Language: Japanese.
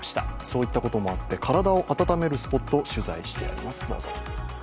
そういったこともあって、体を温めるスポットを取材してあります。